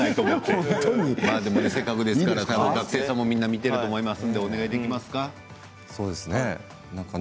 まあでもせっかくですから学生さんもみんな見ていると思いますからお願いできますか。